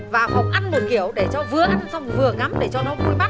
và phòng ăn một kiểu để cho vừa ăn xong vừa ngắm để cho nó vui mắt